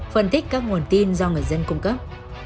phân tích các nguồn tin do người dân cung cấp